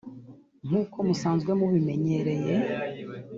nk’uko musanzwe mubimenyereye